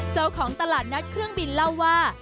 เจ้าของตลาดนัดเครื่องบินเล่าว่า